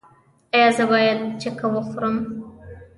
ایا زه باید چکه وخورم؟